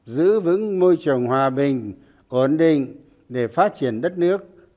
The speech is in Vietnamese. giữ vững môi trường hòa bình ổn định để phát triển đất nước